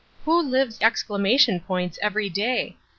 Who lives exclamation points every day